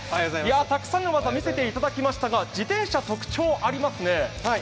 たくさんの技、見せていただきましたが、自転車特徴ありますね。